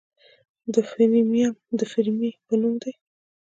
د فیرمیم د فیرمي په نوم دی.